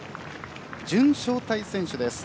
準招待選手です。